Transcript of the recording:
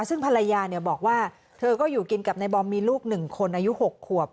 ซึ่งภรรยาบอกว่าเธอก็อยู่กินกับนายบอมมีลูก๑คนอายุ๖ขวบ